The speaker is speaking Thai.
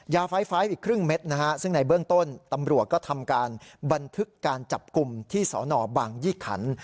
ยาไฟฟ้าอีกครึ่งเม็ดนะฮะซึ่งในเบื้องต้นตำรวจก็ทำการบันทึกการจับกลุ่มที่สนบางยี่ขัน